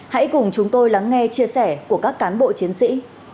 hãy cùng chúng tôi lắng nghe chia sẻ của các cán bộ chiến sĩ